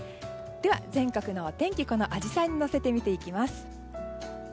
全国のお天気アジサイにのせて見ていきます。